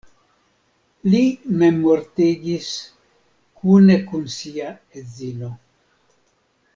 Li memmortigis kune kun sia edzino.